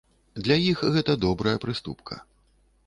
Для іх гэта добрая прыступка.